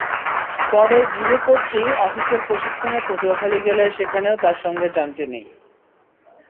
পরে গৃহকর্ত্রী অফিসের প্রশিক্ষণে পটুয়াখালী গেলে সেখানেও তাঁর সঙ্গে যান তিনি।